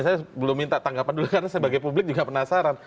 saya belum minta tanggapan dulu karena sebagai publik juga penasaran